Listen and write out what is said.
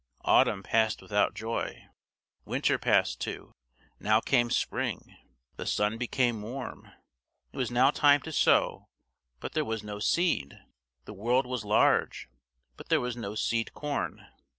Autumn passed without joy. Winter passed too. Now came spring; the sun became warm. It was now time to sow, but there was no seed. The world was large, but there was no seed corn.